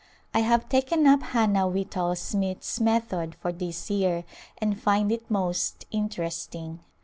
I have taken up Hannah Whitall Smith's method for this year and find it most interesting.